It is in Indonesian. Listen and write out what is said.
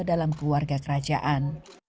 dalam keluarga kerajaan